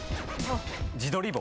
自撮り棒。